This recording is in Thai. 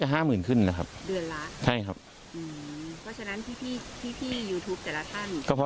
ใช่ครับอืออือเพราะฉะนั้นพี่พี่พี่พี่อยู่ทูปแต่ละท่าน